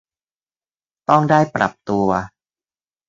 ต้องได้ปรับตัว